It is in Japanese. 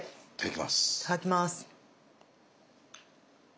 いただきます。